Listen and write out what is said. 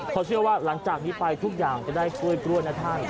เขาเชื่อว่าหลังจากนี้ไปทุกอย่างจะได้กล้วยกล้วยนะท่าน